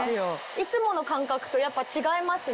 いつもの感覚とやっぱ違いますね。